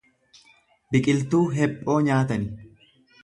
Biqiltuu hephoo nyaatani.